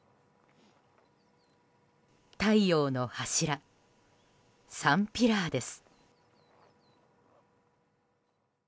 太陽の柱、サンピラーです。